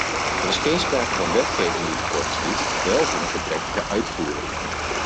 Er is geen sprake van wetgeving die tekortschiet, wel van een gebrekkige uitvoering.